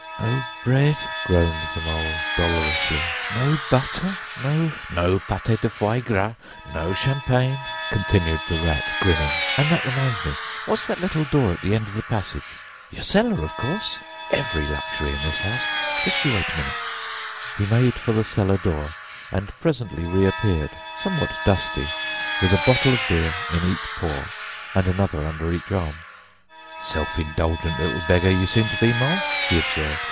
"No bread!" groaned the Mole dolorously; "no butter, no——" "No pâté de foie gras, no champagne!" continued the Rat, grinning. "And that reminds me—what's that little door at the end of the passage? Your cellar, of course! Every luxury in this house! Just you wait a minute." He made for the cellar door, and presently reappeared, somewhat dusty, with a bottle of beer in each paw and another under each arm, "Self indulgent beggar you seem to be, Mole," he observed.